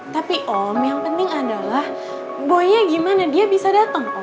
tapi om yang penting adalah boy nya gimana dia bisa datang om